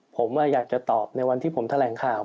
ผมอยากจะตอบในวันที่ผมแถลงข่าว